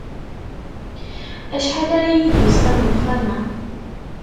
Acḥal ara yi-d-isqam uxxam-a?